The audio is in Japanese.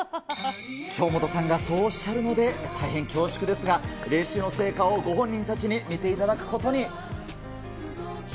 京本さんがそうおっしゃるので、大変恐縮ですが、練習の成果をご本人たちに見ていただくことに。